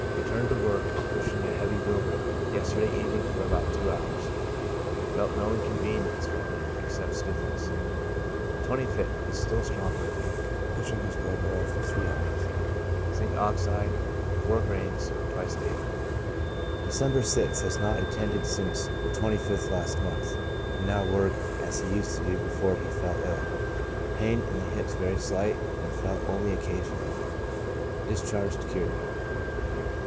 — Returned to work (pushing a heavy wheelbarrow) yesterday evening, for about two hours ; felt no incon venience from it except stiffness. 25th. — Is stronger, pushing his wheelbarrow for three hours. Zinc. Ox., gr.iv, bis die. December 6th. — Has not attended since the 25th ult., can now work as he used to do before he fell ill ; pain in the hips very slight, and felt only occasionally. Discharged cured.